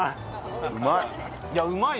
うまい！